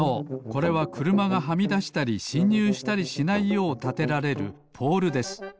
これはくるまがはみだしたりしんにゅうしたりしないようたてられるポールです。